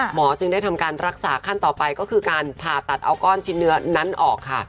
จึงได้ทำการรักษาขั้นต่อไปก็คือการผ่าตัดเอาก้อนชิ้นเนื้อนั้นออกค่ะ